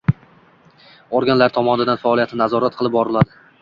Organlari tomonidan faoliyati nazorat qilib boriladi.